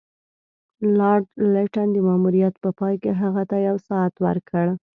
لارډ لیټن د ماموریت په پای کې هغه ته یو ساعت ورکړ.